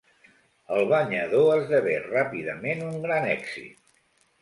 El banyador esdevé ràpidament un gran èxit.